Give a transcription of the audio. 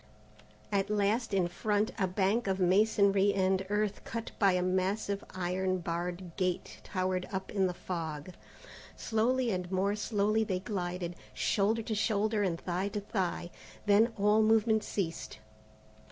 At last in front, a bank of masonry and earth cut by a massive iron barred gate towered up in the fog. Slowly and more slowly they glided, shoulder to shoulder and thigh to thigh. Then all movement ceased.